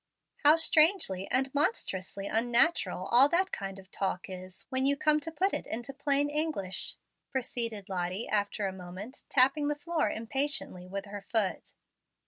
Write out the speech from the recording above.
"How strangely and monstrously unnatural all that kind of talk is when you come to put it into plain English!" proceeded Lottie after a moment, tapping the floor impatiently with her foot.